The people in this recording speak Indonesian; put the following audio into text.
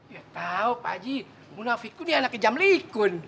ya tau pak haji munafikun ya anak kejamlikun